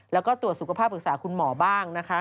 แล้วก็ตรวจสุขภาพปรึกษาคุณหมอบ้างนะคะ